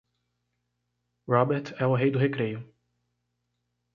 Robert é o rei do recreio.